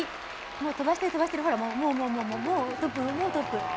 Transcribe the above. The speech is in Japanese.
もう飛ばしてる、飛ばしてる、ほら、もうもうもう、もうトップ、もうトップ。